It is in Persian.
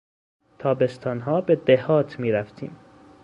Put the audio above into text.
تابستانها به دهات میرفتیم.